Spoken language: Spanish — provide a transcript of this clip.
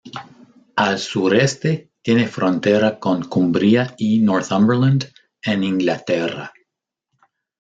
Al sureste tiene frontera con Cumbria y Northumberland, en Inglaterra.